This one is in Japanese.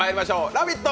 「ラヴィット！」